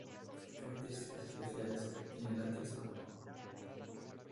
Características especiales: Tiene látex blanco.